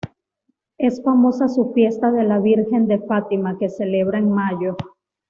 Es famosa su fiesta de la Vírgen de Fátima, que celebra en mayo.